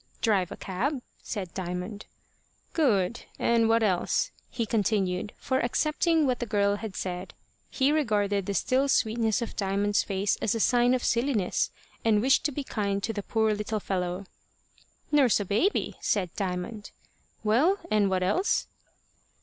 "Drive a cab," said Diamond. "Good; and what else?" he continued; for, accepting what the girl had said, he regarded the still sweetness of Diamond's face as a sign of silliness, and wished to be kind to the poor little fellow. "Nurse a baby," said Diamond. "Well and what else?"